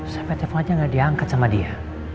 sampai telepon aja gak diangkat sama dia